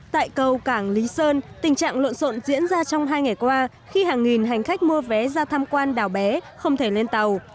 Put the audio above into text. tại cầu cảng lý sơn tình trạng lộn xộn diễn ra trong hai ngày qua khi hàng nghìn hành khách mua vé ra tham quan đảo bé không thể lên tàu